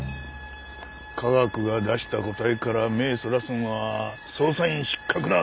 科学が出した答えから目ぇそらすのは捜査員失格だ！